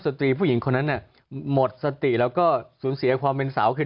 ตรีผู้หญิงคนนั้นน่ะหมดสติแล้วก็สูญเสียความเป็นสาวคือ